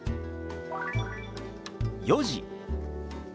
「４時」。